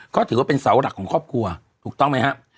ก็ถือว่าเป็นเสาหลักของครอบครัวถูกต้องไหมครับ